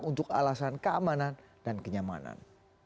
untuk alasan keamanan dan kenyamanan